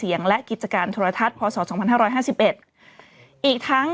อีกทั้ง